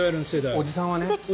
おじさんはね。